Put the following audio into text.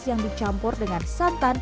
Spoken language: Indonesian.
yang dicampur dengan santan dan air